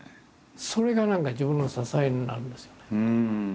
それが何か自分の支えになるんですよね。